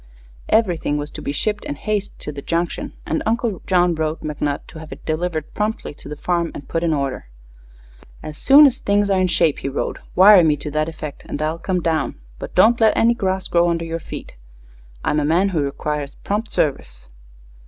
Everything was to be shipped in haste to the Junction, and Uncle John wrote McNutt to have it delivered promptly to the farm and put in order. "As soon as things are in shape," he wrote, "wire me to that effect and I'll come down. But don't let any grass grow under your feet. I'm a man who requires prompt service."